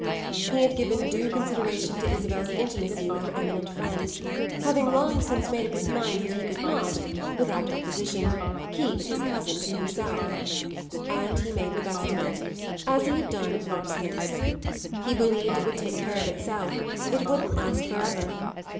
He had given due consideration to Isabel's intimacy with her eminent friend, having long since made up his mind that he could not, without opposition, keep his cousin to himself; and he made the best of it, as he had done of worse things. He believed it would take care of itself; it wouldn't last forever.